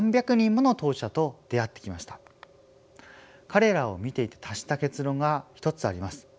彼らを見ていて達した結論が１つあります。